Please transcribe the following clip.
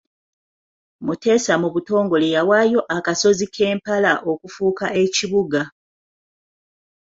Muteesa mu butongole yawaayo akasozi k'empala okufuuka ekibuga.